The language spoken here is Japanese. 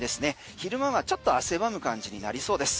昼間はちょっと汗ばむ感じになりそうです。